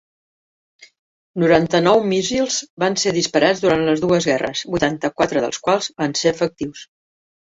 Noranta-nou míssils van ser disparats durant les dues guerres, vuitanta-quatre dels quals van ser efectius.